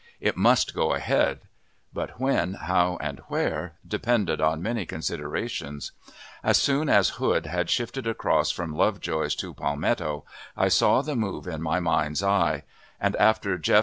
It must go ahead, but when, how, and where, depended on many considerations. As soon as Hood had shifted across from Lovejoy's to Palmetto, I saw the move in my "mind's eye;" and, after Jeff.